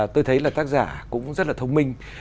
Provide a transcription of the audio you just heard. tôi thấy là tác giả cũng rất là thông minh